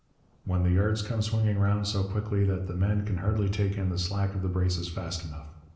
when the yards come swinging round so quickly that the men can hardly take in the slack of the braces fast enough.